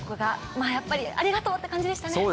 やっぱり、ありがとうって感じでしたね。